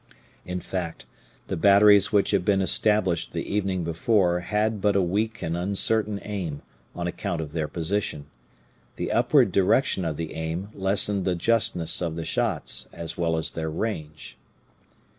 In fact, the batteries which had been established the evening before had but a weak and uncertain aim, on account of their position. The upward direction of the aim lessened the justness of the shots as well as their range.